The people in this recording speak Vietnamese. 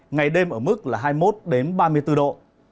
ngày đêm ở mức là hai mươi một ba mươi bốn độ